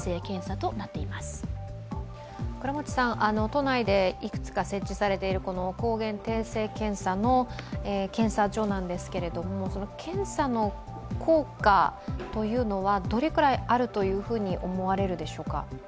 都内でいくつか設置されている抗原定性検査の検査場なんですが、検査の効果というのはどれくらいあると思われるでしょうか？